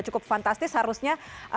cukup fantastis harusnya